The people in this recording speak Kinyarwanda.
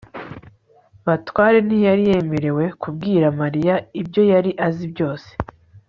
bakware ntiyari yemerewe kubwira mariya ibyo yari azi byose